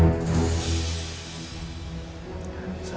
malah jadi anak yang gak baik